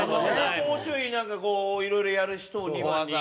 もうちょいなんかこういろいろやる人を２番に。